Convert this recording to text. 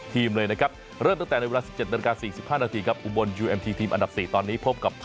พรูกรแรมได้เชิงโตชื่อไทยลีก